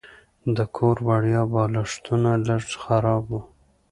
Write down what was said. د کور وړیا بالښتونه لږ خراب وو.